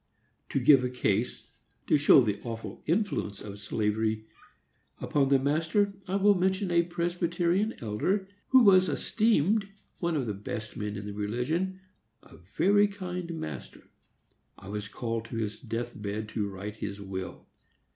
To give a case, to show the awful influence of slavery upon the master, I will mention a Presbyterian elder, who was esteemed one of the best men in the region,—a very kind master. I was called to his death bed to write his will.